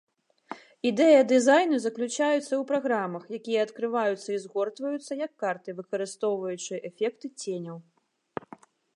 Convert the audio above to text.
Ідэя дызайну заключаецца ў праграмах, якія адкрываюцца і згортваюцца як карты, выкарыстоўваючы эфекты ценяў.